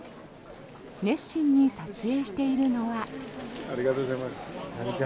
熱心に撮影しているのは。